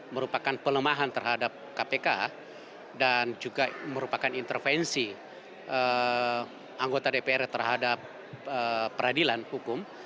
merupakan pelemahan terhadap kpk dan juga merupakan intervensi anggota dpr terhadap peradilan hukum